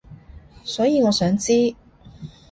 所以我想知